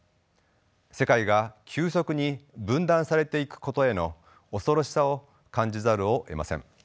世界が急速に分断されていくことへの恐ろしさを感じざるをえません。